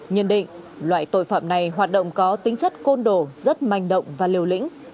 nhân định loại tội phạm này hoạt động có tính chất côn đồ rất manh động và liều lĩnh